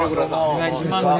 お願いします。